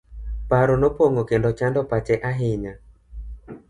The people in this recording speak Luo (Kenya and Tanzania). Paro nopong'o kendo chando pache ahinya.